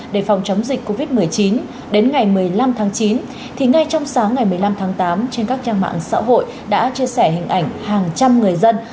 để phòng chống dịch covid một mươi chín đến ngày một mươi năm tháng chín thì ngay trong sáng ngày một mươi năm tháng tám trên các trang mạng xã hội đã chia sẻ hình ảnh hàng trăm người dân